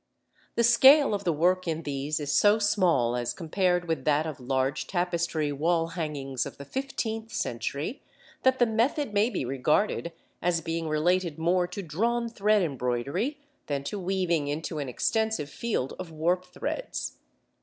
The scale of the work in these is so small, as compared with that of large tapestry wall hangings of the fifteenth century, that the method may be regarded as being related more to drawn thread embroidery than to weaving into an extensive field of warp threads.